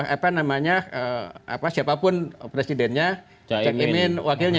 apa namanya siapapun presidennya cak imin wakilnya